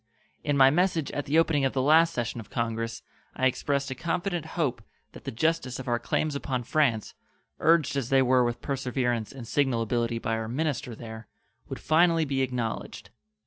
In my message at the opening of the last session of Congress I expressed a confident hope that the justice of our claims upon France, urged as they were with perseverance and signal ability by our minister there, would finally be acknowledged.